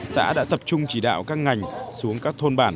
xã đã tập trung chỉ đạo các ngành xuống các thôn bản